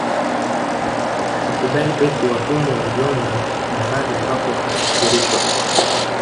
Kwa kudai eti watumwa waliona bahari ambako watasafarishwa